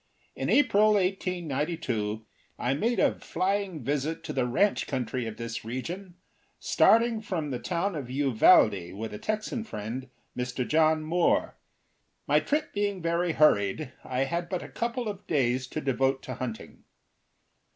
In April 1892, I made a flying visit to the ranch country of this region, starting from the town of Uvalde with a Texan friend, Mr. John Moore. My trip being very hurried, I had but a couple of days to devote to hunting.